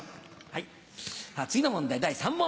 はい。